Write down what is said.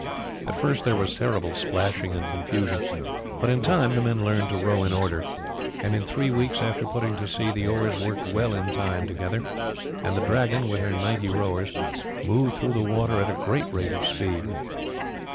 At first there was terrible splashing and confusion, but in time the men learned to row in order, and in three weeks after putting to sea the oars worked well in time together, and the Dragon, with her ninety rowers, moved through the water at a great rate of speed.